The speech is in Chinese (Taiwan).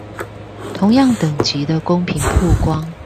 同樣等級的公平曝光